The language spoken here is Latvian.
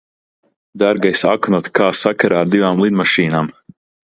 Dārgais Aknot, kā sakarā ar divām lidmašīnām?